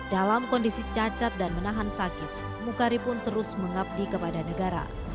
dalam kondisi cacat dan menahan sakit mukari pun terus mengabdi kepada negara